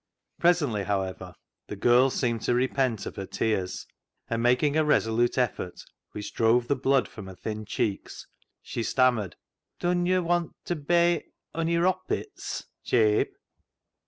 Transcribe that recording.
Presently, however, the girl seemed to repent of her tears, and making a resolute effort, which drove the blood from her thin cheeks, she stammered —" Dun yo' want ta bey ony roppits [rabbits], Jabe?"